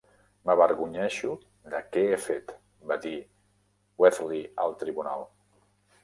"M'avergonyeixo de què he fet", va dir Wheatley al tribunal.